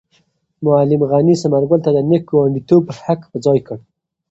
معلم غني ثمر ګل ته د نېک ګاونډیتوب حق په ځای کړ.